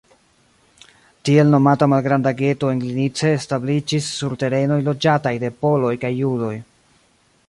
Tiel nomata malgranda geto en Glinice establiĝis sur terenoj loĝataj de poloj kaj judoj.